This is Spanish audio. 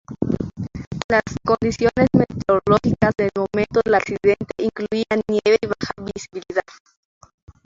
Las condiciones meteorológicas en el momento del accidente incluían nieve y baja visibilidad.